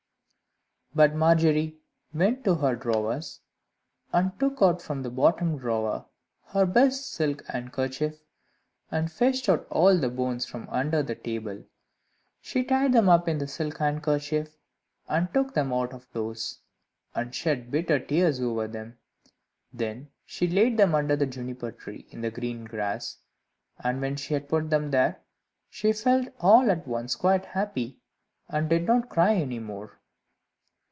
But Margery went to her drawers, and took out of the bottom drawer her best silk handkerchief, and fetched out all the bones from under the table; she tied them up in the silk handkerchief, and took them out of doors, and shed bitter tears over them. Then she laid them under the Juniper tree in the green grass; and when she had put them there, she felt all at once quite happy, and did not cry any more.